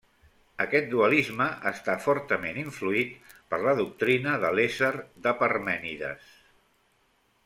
Aquest dualisme està fortament influït per la doctrina de l'ésser de Parmènides.